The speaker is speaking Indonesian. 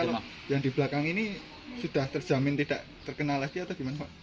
yang di belakang ini sudah terjamin tidak terkena lagi atau gimana pak